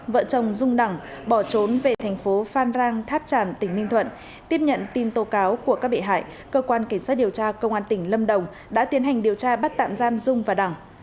vợ chồng dung nảng bỏ trốn về thành phố phan rang tháp tràm tỉnh ninh thuận tiếp nhận tin tố cáo của các bị hại cơ quan cảnh sát điều tra công an tỉnh lâm đồng đã tiến hành điều tra bắt tạm giam dung và đẳng